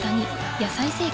「野菜生活」